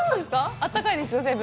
あったかいですよ、全部。